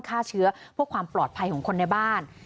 ฆ่าเชื้อเพื่อความปลอดภัยของคนในบ้าน